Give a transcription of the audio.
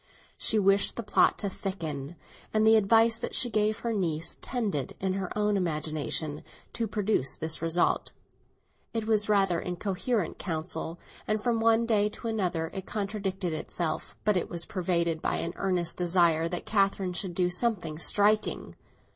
She wished the plot to thicken, and the advice that she gave her niece tended, in her own imagination, to produce this result. It was rather incoherent counsel, and from one day to another it contradicted itself; but it was pervaded by an earnest desire that Catherine should do something striking.